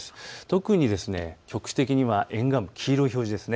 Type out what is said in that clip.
特に局地的には沿岸、黄色い表示です。